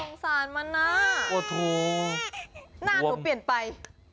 สงสารมันนะโอ้โหหน้าหนูเปลี่ยนไป